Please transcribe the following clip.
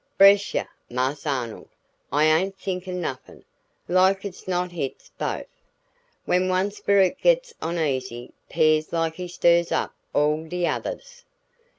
"Bress yuh, Marse Arnold, I ain't thinkin' nuffen. Like es not hit's bofe. When one sperrit gits oneasy 'pears like he stir up all de odders.